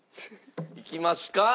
いきますか？